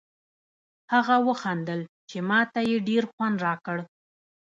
هغه و خندل چې ما ته یې ډېر خوند راکړ.